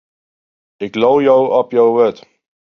Ik leau jo op jo wurd.